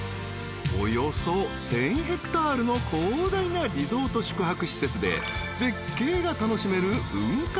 ［およそ１，０００ｈａの広大なリゾート宿泊施設で絶景が楽しめる］